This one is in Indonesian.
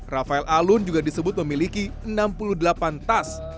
rafael alun juga disebut memiliki enam puluh delapan tas